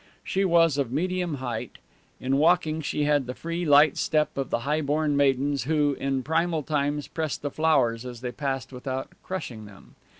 She was of medium height. In walking she had the free, light step of the highborn maidens who, in primal times, pressed the flowers as they passed without crushing them.